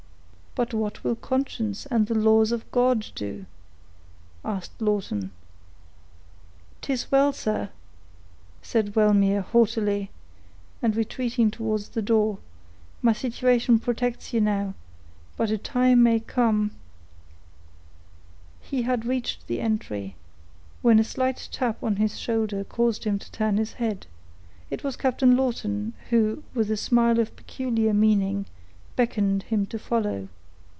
"But what will conscience and the laws of God do?" asked Lawton. "'Tis well, sir," said Wellmere, haughtily, and retreating towards the door, "my situation protects you now; but a time may come—" He had reached the entry, when a slight tap on his shoulder caused him to turn his head; it was Captain Lawton, who, with a smile of peculiar meaning, beckoned him to follow.